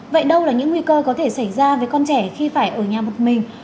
vậy đâu là những nguy cơ có thể xảy ra với con trẻ khi phải ở nhà một mình